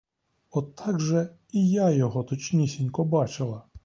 От так же і я його точнісінько бачила!